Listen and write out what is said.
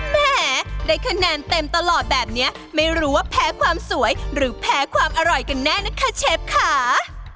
แหมได้คะแนนเต็มตลอดแบบนี้ไม่รู้ว่าแพ้ความสวยหรือแพ้ความอร่อยกันแน่นะคะเชฟค่ะ